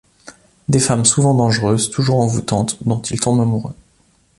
Des femmes souvent dangereuses, toujours envoûtantes, dont il tombe amoureux.